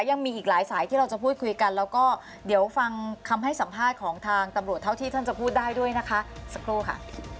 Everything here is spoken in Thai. ยังมีอีกหลายสายที่เราจะพูดคุยกันแล้วก็เดี๋ยวฟังคำให้สัมภาษณ์ของทางตำรวจเท่าที่ท่านจะพูดได้ด้วยนะคะสักครู่ค่ะ